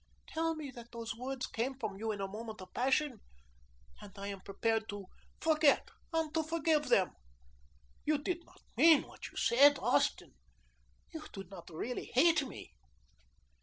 Tell me that those words came from you in a moment of passion and I am prepared to forget and to forgive them. You did not mean what you said, Austin? You do not really hate me?"